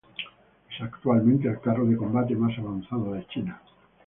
Es actualmente el carro de combate más avanzado de China.